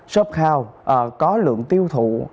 shophouse có lượng tiêu thụ